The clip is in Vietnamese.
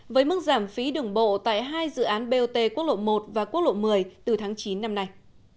với mức giảm phí đường bộ tại hai dự án bot quốc lộ một và quốc lộ một mươi từ tháng chín năm nay